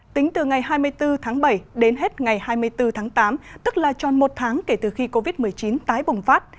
tính từ ngày hai mươi bốn tháng bảy đến hết ngày hai mươi bốn tháng tám tức là tròn một tháng kể từ khi covid một mươi chín tái bùng phát